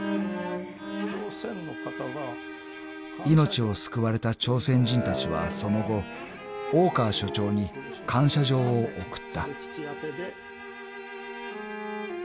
［命を救われた朝鮮人たちはその後大川署長に感謝状を送った］